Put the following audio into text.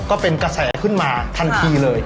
ก็เป็นกระแสขึ้นมาทันทีเลย